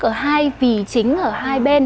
ở hai vị chính ở hai bên